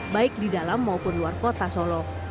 baik di dalam maupun luar kota solo